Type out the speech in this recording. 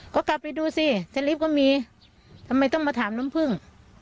ก็กลับไปดูสิสลิปก็มีทำไมต้องมาถามน้ำผึ้ง